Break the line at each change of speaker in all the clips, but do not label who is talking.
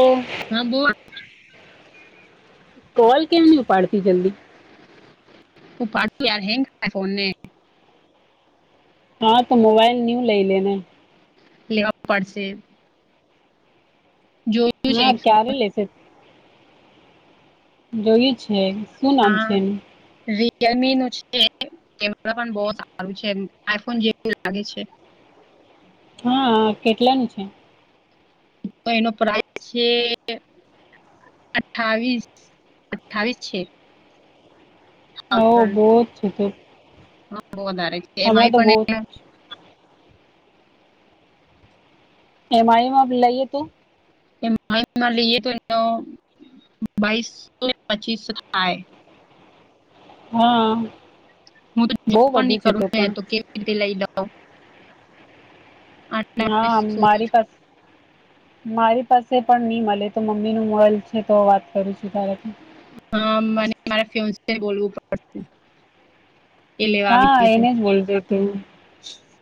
ઓ
હા, બોલ- -
કોલ કે્યા નની ઉપાડતી જલ્દી?
ઉપાડતી યાર હંગ થાય, ફોનને- -
હા, તો મોબાઈલ ન્યુ લઇ લેને.
લેવા પડશે, જો- -
હા, કયારે લસે? જોયું છે, શું નામ
હા
છે એનું?
રિયલમી નું છે. કેમેરા પણ બહ સારું છે, આઈફોન જેવું લાગે છે.
હા, કેટલાનું છે?
તો એનો પ્રઇસ છે- - અઠાવીસ અઠ્ઠાવીસ છે.
હ બહુત છ તો.
હા, બહ વધારે છે,
હમણાં
એમાંય
તો બહુ
પણ- -
એમ આઈમાં લઈએ તો- -
એમાઈ નો લઈએ તો એનો બાવીસથી પચીસ થાય.
હા.
હું તો જો
બહુ
પણ
બધું
નહી
છે
કરું, મે તો
પણ
કેવી રીતે લઈ લઉ.
હા, મારી પાસે- - મારી પાસે પણ નહી મળે તો મમ્મી નું મોબાઈલ છે, તો વાત કરું છું.
હા, મને મારા ફિયોનસે બોલવું પડશે. એ લેવા આવી
હા,
જશે
એને કેજે કે,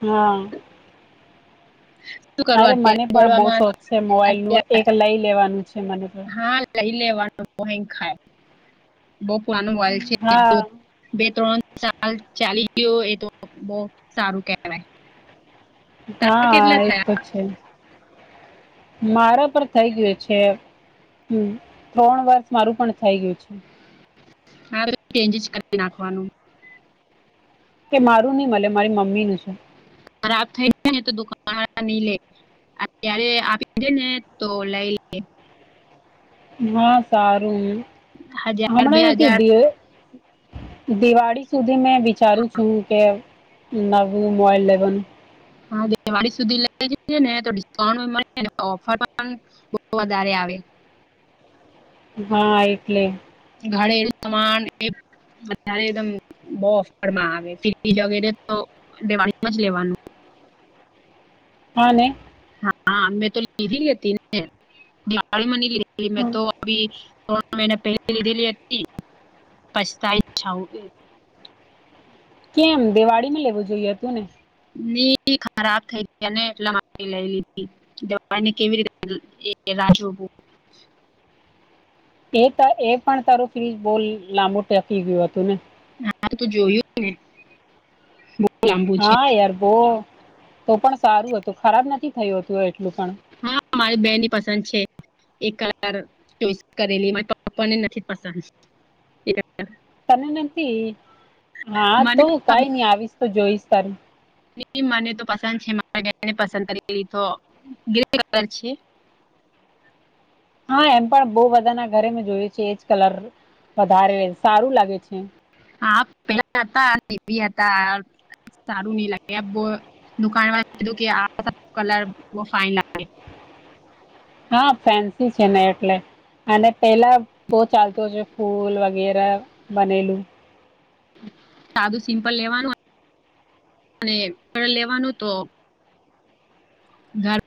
હા.
[inaudible]
અરે
અત્યારે
મને પણ બહુ
બોલવામાં
શોખ છે, મોબાઈલ
અત્યારે
નું એક લઈ લેવાનું છે, મને તો.
હા, લઈ લેવાનું ખાય બહ પુરાનું વાલ છે.
હા
બે ત્રણ સાલ ચાલી ગયો, એ તો બહ સારું કેહેવાય.
હા, એ તો
થયા
છે, મારા પર થઈ ગયું છે એમ. ત્રણ વર્ષ મારું પણ થઈ ગયું છે.
હા, ચેન્જસ કરી નાખવાનું.
કે, મારું નહી મળે મારી મમ્મી નું છે.
ખરાબ થઈ જાય ને, તો દુકાન નહી લે. અત્યારે આપી દે ને તો લઈ લે.
હા, સારું
હજાર બે
હમણાંથી
હજાર
દ દિવાળી- - સુધી મેં વિચારું છું કે, નવું મોબાઇલ લેવનું.
હા, દિવાળી સુધી લઈ જે ને તો ડિસ્કાઉન્ટ મળે ઓફર પણ- - બહ વધારે આવે.
હા, એટલે
ગાડે સમાન એ અતારે એકદમ બહ ઓફરમાં આવે તજ વગેરે તો દેવાનું જ લેવાનું.
હાને
હા, મેં તો લીધી લેતી ને ગડીમાંની લીધ મેં તો મહિને પહેલી લીધેલી હતી, પસ્તાઈ છ.
કેમ? દિવાળી માં લેવું જોઈએ હતું ને.
ખરાબ થઈ ગયા ને એટલા માટે લઈ લીધી. દવા ને કેવી રીતે એ રાહ જોવો
એ ત એ પણ તારું ફ્રી બહુ લાંબુ ટકી ગયું હતું ને.
હા તો જોયું ને લાંબુ છે
હા યાર બોવ તો પણ સારું હતું ખરાબ નથી થય હતું એટલું પણ
હા મારી બેની પસંદ છે એક કલર ચોઈસ કરેલી મારી પપ્પા ને નથી પસંદ
તને નથી હા
મને
તો કઈ
ખબ-
નઈ આવીશ તો જોઈશ તારું
એ મને તો પસંદ છે મારાને પસંદ કરેલી તો ગ્રે કલર છે.
હા એમ પણ બહ બધાના ઘરે મેં જોયું છે એજ કલર વધારે સારું લાગે છે.
હા પેલા હતા બી હતા. સારું નહી લાગે દુકાનવાળા કે આ કલર ફાઈન
હા ફેન્સી છે ને એટલે. અને પેલા બોવ ચાલતું છે ફૂલ વગેરે બનેલું
સાદું સિમ્પલ લેવાનું અને લેવાનું તો [inaudible]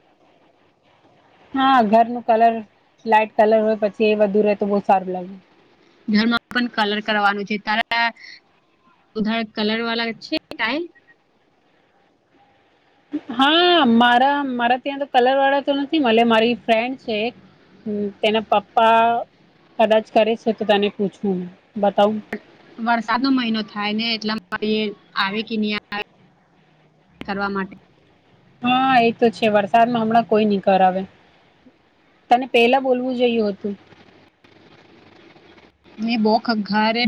હા ઘરનું કલર લાઈટ કલર હોય પછી એ બધું રહેે તો બહુ સારું લાગે.
ઘરમાં પણ કલર કરવાનું છે તારા ઉધર કલરવાળા છે કાઈ
હા મારા મારા ત્યાં તો કલરવાળા તો નથી મળ મારી ફ્રેન્ડ છે. હ તેના પપ્પા કદાચ કરે છે તો તને પૂછવું બતાવું
વરસાદનો મહિનો થાય ને એટલા આવે કે નહીં આવે. કરવા માટે
હા એ તો છે વરસાદમાં હમણાં કોઈ નય કરાવે. તને પહેલા બોલવું જોયું હતું.
મેં બોવ વધારે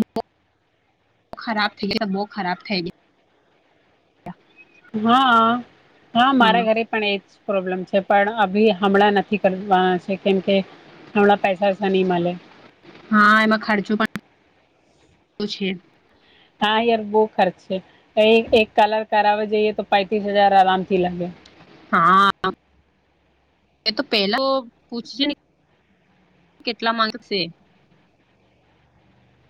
ખરાબ થઈ ગયા બો ખરાબ થઈ ગયા.
હા હા મારા ઘરે પણ એ જ પ્રોબ્લેમ છે પણ અભી હમણાં નથી કરવાના છે કેમ કે હમણાં પૈસા બૈસા નય મળે.
હા એમાં ખર્ચો પણ છે.
હા યાર બહ ખર્ચ છે એક કલર કરાવવા જઈએ તો પેટિસ હજાર આરામથી લાગે.
હા. એ તો પેલા પૂછ જે ને કેટલા માંગશે.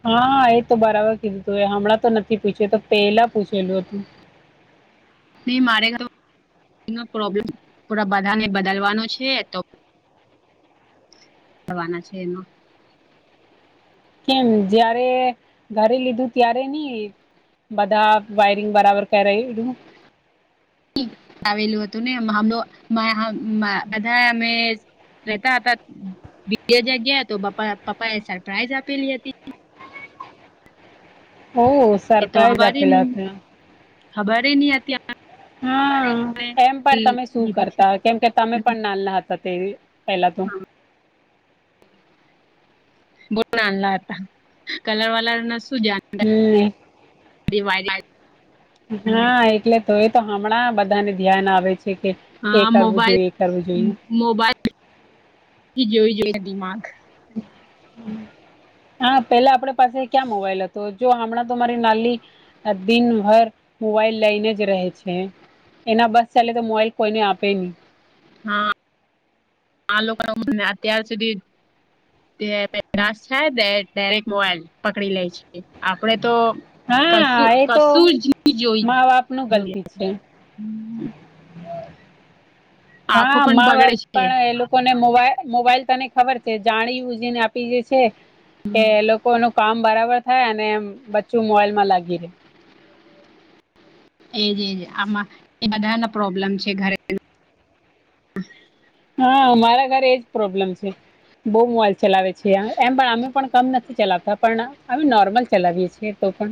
હા એ તો બરાબર કીધું હતું એ હમણાં તો નથી પૂછ્યું તો પેલા પૂછેલું હતું.
ને મારે નો પ્રોબ્લેમ થોડા બધાને બદલવાનો છે તો થવાના છે એમાં
કેમ જયારે ઘરે લીધું ત્યારે નઈ બધા વાયરિંગ બરાબર કરાઈ રયુ.
આવેલું હતું ને હમ બધા અમે રેહતા હતા બીજા જગ્યા તો પા પપા એ સરપ્રાાઈઝ આપેલી હતી.
ઓ
એ તો
સરપ્રાાઈઝ
અમારી
આપેલા હતા.
ખબર નય અત્યાર
હા એમ પણ તમે શું
દીધી છે
કરતા કેમ કે તમે પણ નાના હતા ત્યારે પેલા તો
બોવ નાના હતા કલર વલર ના શું જા
હમ.
[unintelligible]
હા એટલે તો એ તો હમણાં બધાને ધ્યાન આવે છે કે એ
હા
કરવું
મોબાઈલ
જોઈએ એ કરવું જોઈએ.
મોબાઈલ [unintelligible] જોઈએ દિમાગ.
હમ. હા પેલા આપડે પાસે ક્યાં મોબાઈલ હતો જો હમણાં તો મારી નાલી. આ દિનભર મોબાઈલ લાઇને જ રહેે છે. એના બસ ચાલે તો મોબઈલ કોઈને આપે નહી.
હા, આ લોકો અમને અત્યાર સુધી તે ડાયરેક્ટ મોબાઈલ પકડી લે છે, આપડે તો
હા
કસુ
એ તો
કશું જ
મા બાપ નું
જોઈ.
ગલતી છે
આંખો
હા
પણ
મા બાપ
બગડે છે
પણ એલું કોને મોબાઈ મોબાઈલ તને ખબર છે જાણી ઉજીને આપી જે છે. કે લોકો ન કામ બરાબર થાય અને બચ્ચું મોબાઈલમાં લાગી રે.
એજ એજ આમાં એ બધા ના પ્રોબ્લેમ છે ઘરે.
હા મારા ઘરે એજ પ્રોબ્લેમ છે. બહુ મોબાઈલ ચલાવે છે એમ પણ અમે પણ કમ નથી ચલાવતા પણ અમે નોર્મલ ચલાવીએ છીએ તો પણ.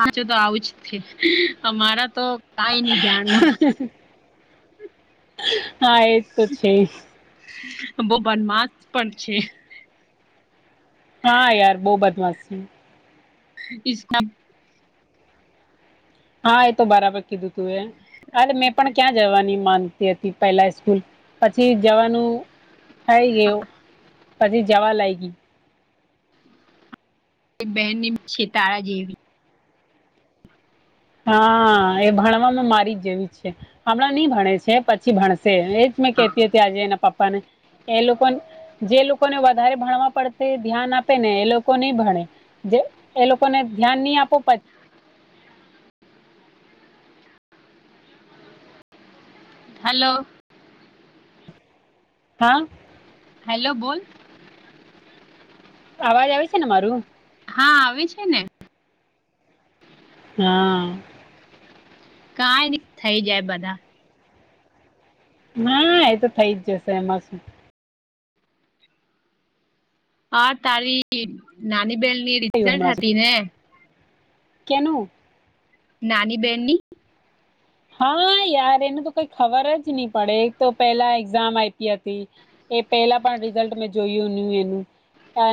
આચું તો આવું જ છે અમારા તો કઈ નહી જાણવું.
હા એજ તો છે.
બઉ બનમાસ પણ છે.
હા યાર બઉ બદમાસ છે.
[unintelligible]
હા એ તો બરાબર કીધું તું એ, અ મેં પણ ક્યાં જવાની માન હતી પહેલા સ્કૂલ પછી જવાનું થાય ગયું. પછી જવા લાયગી.
એક બહેન છેતારા જેવી.
હા એ ભણવામાં મારી જ જેવી છે, હમણાં નઈ ભણે છે પણ પછી ભણશે એજ મેં
હા
કેતી હતી આજે એના પપ્પા ને, એ લોકોને જે લોકોને વધારે ભણવા પડતી ધ્યાન આપેને એ લોકો નહી ભણે. જે એ લોકોને ધ્યાન નહી આપો પ
હલો.
હા.
હેલ્લો બોલ.
અવાજ આવે છે ને મારું?
હા આવે છે ને.
હા.
કઈ ની થઈ જાય બધા.
મા એતો થઈ જ જશે એમાં શું.
હા તારી નાની બેહેન ની રિઝલ્ટ હતી ને?
કેનુ?
નાની બેનની?
હા યાર એનું તો કઈ ખબર જ ની પડે એક તો પેલા એક્ઝામ આયપી હતી. એ પેલા પણ રિઝલ્ટ મેં જોયું ની એનું.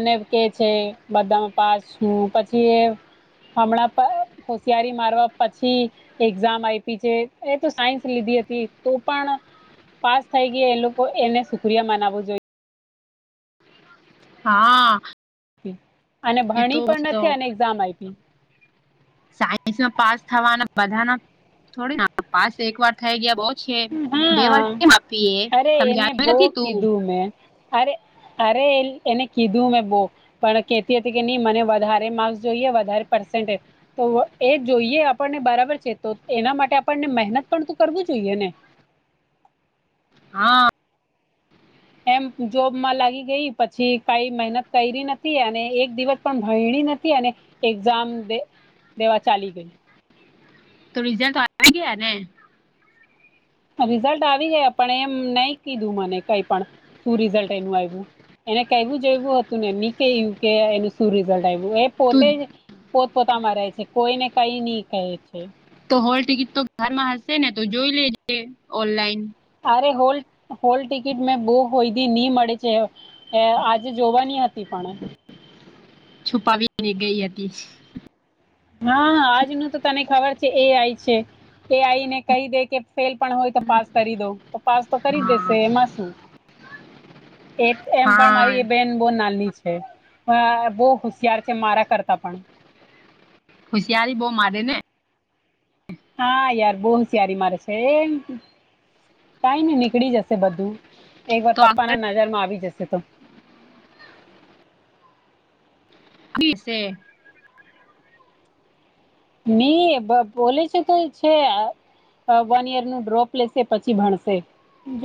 ને કે છે બધામાં પાસ છું પછી એ હમણાં હોશિયારી મારવા પછી, એક્ઝામ આય પીજે એતો સાયન્સ લીધી હતી, તો પણ પાસ થઈ ગયા, એ લોકો એને સુક્રિયા મનાવો જોઈએ.
હા.
અને
એ તો
ભણી પણ
તો
નથી, અને એક્ઝામ આપી.
સાયન્સમાં પાસ થવાના, બધાના થોડી પાસ એક વાર. ખાઈ ગયા બહુ છે, બે
હા
વાર કેમ આપીએ, સમજાવ્યું નથી તું.
ઘુમે. અરે અરે એ એને કીધું મેં બો. પણ કેતી હતી કે નહી, મને વધારેમા જોઈએ વધારે પસેન્ટ. તો એ જોઈએ, આપણને બરાબર છે, તો એના માટે આપણને મહેનત પણતો કરવો જોઈએ ને.
હા.
એમ જોબમાં લાગી ગઈ, પછી કઈ મહેનત કરી નથી, અને એક દિવસ પણ ભયણી નથી, અને એક્ઝામ દે દેવા ચાલી ગઈ.
તો રિઝલતો આવી ગયા ને.
રિઝલ્ટ આવી ગયા, પણ એમ નહી કીધું, મને કઈ પણશું રિઝલ્ટ એનું આવ્યું. એને કવું જોવું હતું ને, એમની ક્યું કે એનું શું રિઝલ્ટ આવ્યું એ.
તું
પોતેજ પોતપોતામાં રહે છે, કોઈને કઈ નહી કહે છે.
તો હોલ ટિકિટતો ઘરમાં હશે ને, તો જોઈ લેજે ઓનલાઈન.
અરે હોલ હોલ ટિકિટમેં બો હોયી નહી મળે છે. એ આજે જોવાની હતી, પણ
છુપાવીની ગઈ હતી.
હા, આજનું તો તને ખબર છે, એ આય છે. એ આઈ ને કહી દે કે, ફેલ પણ હોય તો પાસ કરી દો. તો પાસતો કરી
હા
દેશે, એમાં શું. એ એમ પણ
હા
મારી એ બેન બો નાલી છે. બહુ હોશિયાર છે, મારા કરતા પણ
હુશિયારી બોમારે ને.
હા યાર, બોહુ સ્યારી મારે છે એમ. કઈ નને નીકળી જશે, બધું એક વાર
તો
પપ્પાના
આગળ
નજરમાં આવી જશે તો.
ફી છે.
મ બોલે છે તો છે. વન યરનું ડ્રોપ લેશે, પછી ભણશે.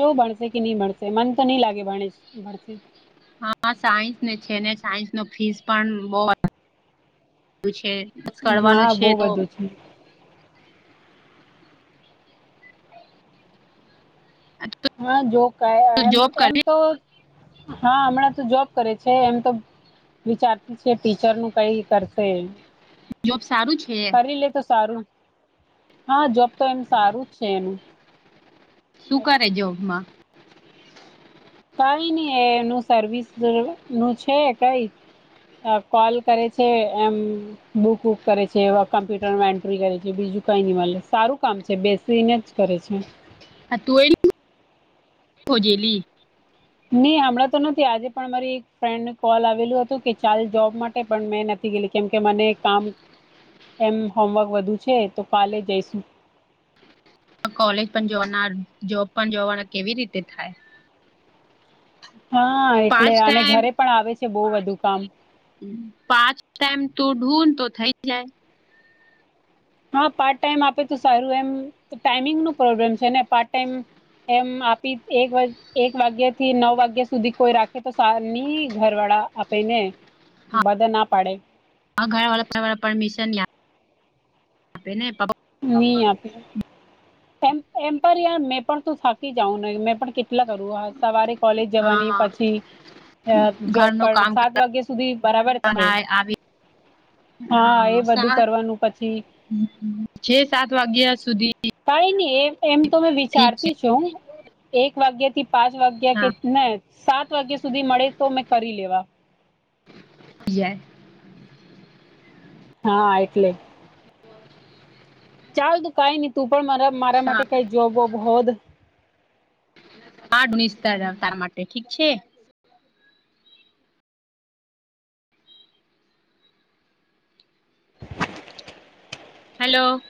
જો ભણશે કે, નહી ભણશે, મનતો નહી લાગે, ભણે ભશે.
હા, સાયન્સ ને છે ને, સાયન્સન ફીસ પણ બહુ છે. કરવાનું
હા
છે
બહુ
તો.
બધું છે હા જો ક એ
જોબ કરે
એમતો હા, હમણાંતો જોબ કરે છે એમ તો. વિચારતી છે, ટીચરનું કઈ કરશે.
જોબ સારું છે.
કરી લેતો, સારું. હા, જોબ તો એમ સારું જ છે એનું.
શું કરે જોબમાં?
કઈ નઈ એનું સર્વિસનું છે કઈ. અ કોલ કરે છે, એમ. બુક વુક કરે છે, કમ્પ્યુટરન એન્ટ્રી કરે છે, બીજું કઈ નહી મળે, સારું કામ છે બેસીને જ. કરે છે.
હ, તું એ ખજેલી.
નઈ હમણાંતો નથી આજે પણ અમારી એક ફ્રેન્ડને કોલ આવેલું હતું કે ચાલ જોબ માટે. પણ મેં નથી ગેલી કેમ કે મને કામ એમ હોમવર્ક વધુ છે તો કાલે જઈશું.
કોલેજ પણ જોવાના જોબ પણ જોવાના કેવી રીતે થાય?
હા એટલે
પાંચ
અને
ટાઈમ
ઘરે પણ આવે છે બહુ વધુ કામ.
પાંચ ટાઈમ તો ઢૂન તો થઇ જાય.
હા પાર્ટ ટાઈમ આપેતો સારું એમ ટાઈમિંગન પ્રોબ્લેમ છે ને પાર્ટ ટાઈમ. એમ આપી એક વા એક વાગ્યા થી નવ વાગ્યા સુધી કોઈ રાખે તો સની ઘર વાળા આપે ને. બધ ના પાડે.
હા ઘર વાળા વાા પરમિશન આપે ને.
ની આપે. એ એમ પર યાર મેં પણ તું થાકી જાઉં ને મેં પણ કેટલા કરું હ. સવારે કોલેજ જવાની
હા
પછી જોબ
ઘરનું
પર
કામ
સાત વાગ્યા સુધી બરાબર છે. હા એ બધું કરવાનું પછી
છે સાત વાગ્યા સુધી
કઈ નહી એ એમ તો મે
ઠીક છે
વિચારતી છું, એક વાગ્ય થી પાંચ વાગે કે
હા
ના સાત વાગ્યા સુધી મળે તો મેં કરી લેવા.
[unintelligible]
હા એટલે. હાલું કઈ ન તું પણ મારા મારા માટે
સાત
કઈ જોબ વબ હોત.
આડ નિસ્તા તારા માટે ઠીક છે? હલો.